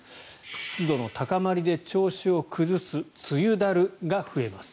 湿度の高まりで調子を崩す梅雨だるが増えます。